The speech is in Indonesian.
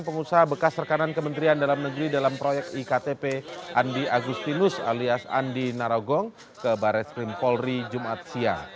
pengusaha bekas rekanan kementerian dalam negeri dalam proyek iktp andi agustinus alias andi narogong ke baris krim polri jumat siang